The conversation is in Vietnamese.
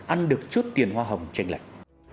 ăn được chút tiền hoa hồng chênh lệch